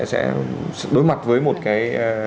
sẽ đối mặt với một cái